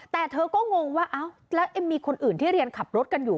แต่เธอก็งงว่าเอ้าแล้วเอ็มมีคนอื่นที่เรียนขับรถกันอยู่